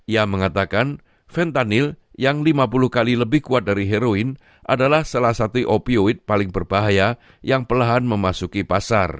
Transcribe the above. ia mengatakan fentanyl yang lima puluh kali lebih kuat dari heroin adalah salah satu opioid paling berbahaya yang pelahan memasuki pasar